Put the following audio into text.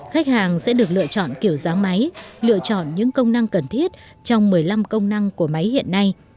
khách hàng sẽ được lựa chọn kiểu dáng máy lựa chọn những công năng cần thiết trong một mươi năm công năng của máy hiện nay